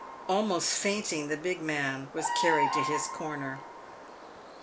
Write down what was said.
Almost fainting, the big man was carried to his corner.